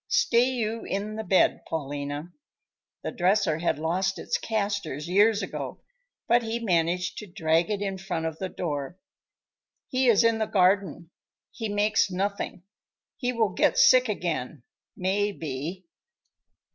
Stay you in the bed, Paulina." The dresser had lost its casters years ago, but he managed to drag it in front of the door. "He is in the garden. He makes nothing. He will get sick again, may be."